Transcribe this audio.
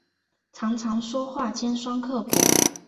常常说话尖酸刻薄